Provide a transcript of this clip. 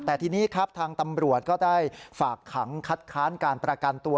แต่ทีนี้ครับทางตำรวจก็ได้ฝากขังคัดค้านการประกันตัว